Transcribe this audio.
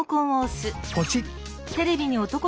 ポチッ！